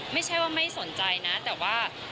ไม่ใช่ว่าไม่สนใจนะแต่ว่า